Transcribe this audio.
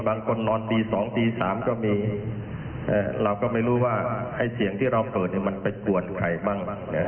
บางคนนอนตีสองตีสามก็มีเราก็ไม่รู้ว่าให้เสียงที่เราเปิดมันไปกวนใครบ้าง